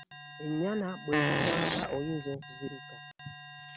Enyana bwe kusamba oyinza okuzirika.